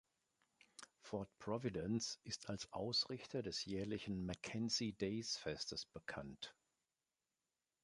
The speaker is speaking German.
Fort Providence ist als Ausrichter des jährlichen "Mackenzie Daze-Festes" bekannt.